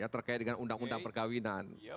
terkait dengan undang undang perkawinan